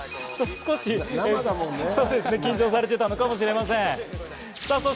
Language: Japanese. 少し緊張されていたのかもしれません。